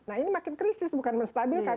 nah ini makin krisis bukan menstabilkan